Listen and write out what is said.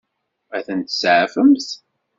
Ad ten-tseɛfemt?